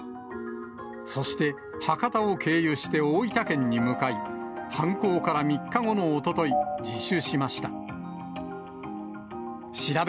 そして、博多を経由して大分県に向かい、犯行から３日後のおととい、自首しました。